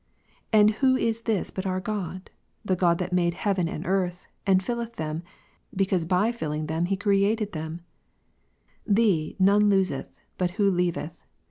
And who is this but our God, the God that made J « 23 heaven and earth, and fiUeth them, because by filling them 24. He created themi? Thee none loseth, but who leaveth.